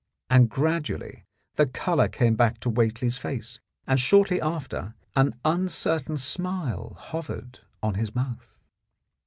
And gradually the colour came back to Whately's face, and shortly after an uncertain smile hovered on his mouth.